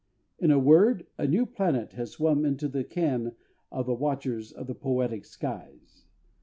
In a word, a new planet has swum into the ken of the watchers of the poetic skies.